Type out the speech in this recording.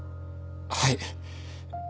はい。